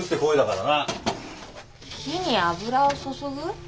火に油を注ぐ？